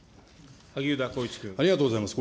ありがとうございます。